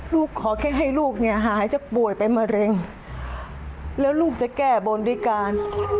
ลูกขอแค่ให้ลูกหายจากป่วยไปมะเร็งแล้วลูกจะแก้บนด้วยกัน